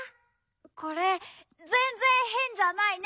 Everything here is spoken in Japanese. これぜんぜんへんじゃないね。